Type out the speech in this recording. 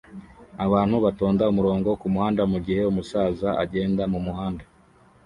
abantu batonda umurongo kumuhanda mugihe umusaza agenda mumuhanda